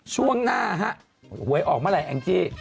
ช่วงหน้าฮะหวยออกเมื่อไหร่แองจี้